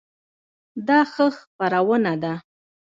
دا ښه خپرونه ده؟